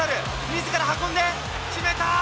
みずから運んで、決めた！